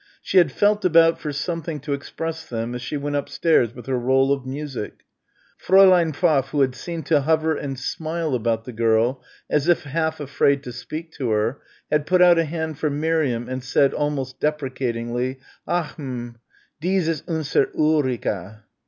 She had felt about for something to express them as she went upstairs with her roll of music. Fräulein Pfaff who had seemed to hover and smile about the girl as if half afraid to speak to her, had put out a hand for Miriam and said almost deprecatingly, "Ach, mm, dies' ist unser Ulrica."